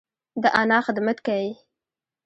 د انا خدمت کيي.